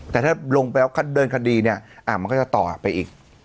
แต่ถ้าลงไปแล้วเดินคดีเนี่ยมันก็จะต่อไปอีก